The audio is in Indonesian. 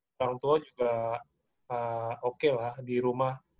orang tua juga oke lah di rumah